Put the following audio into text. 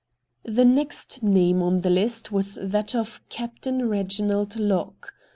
The next name on the list was that of Captain Eeginald Locke.